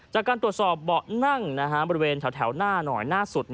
จากการตรวจสอบเบาะนั่งบริเวณแถวหน้าหน่อยหน้าสุด